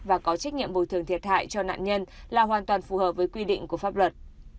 và có trách nhiệm bồi thường thiệt hại cho nạn nhân là hoàn toàn phù hợp với quy định của pháp luật